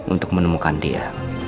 untuk menemukan dia